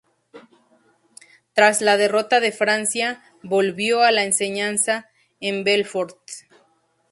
Tras la derrota de Francia, volvió a la enseñanza en Belfort.